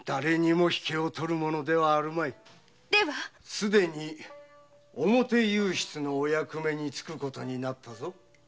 すでに表右筆のお役目に就く事になったぞ。